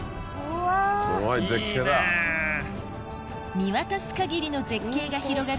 見渡す限りの絶景が広がる